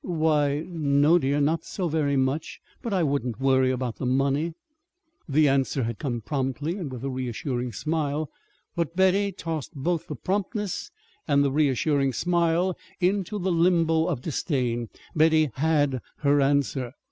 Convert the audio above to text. "Why, no, dear, not so very much. But I wouldn't worry about the money." The answer had come promptly and with a reassuring smile. But Betty tossed both the promptness and the reassuring smile into the limbo of disdain. Betty had her answer.